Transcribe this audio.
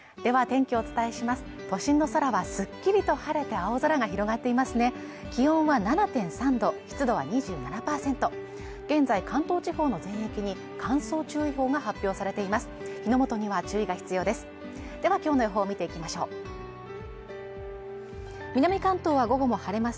気温は７．３度、湿度は２７％現在、関東地方の全域に乾燥注意報が発表されています